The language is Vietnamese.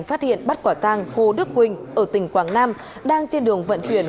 phát hiện bắt quả tang hồ đức quỳnh ở tỉnh quảng nam đang trên đường vận chuyển